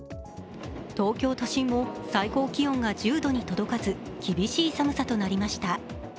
東京都心も最高気温が１０度に届かず厳しい寒さとなりました。